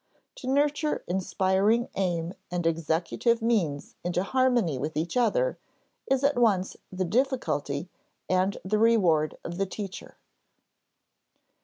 To nurture inspiring aim and executive means into harmony with each other is at once the difficulty and the reward of the teacher.